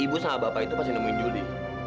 ibu sama bapak itu pasti nemuin juli